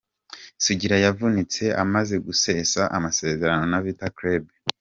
Sugira yavunitse amaze gusesa amasezerano na Vita Club.